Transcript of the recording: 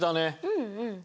うんうん。